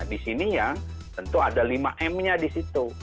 di sini ya tentu ada lima m nya di situ